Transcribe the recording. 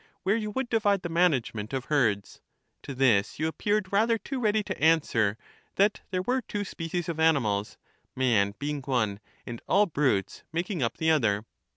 Where you would divide the management of herds. To this you ap peared rather too ready to answer that there were two species of animals ; man being one, and all brutes making up the other.